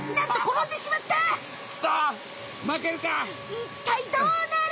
いったいどうなる！？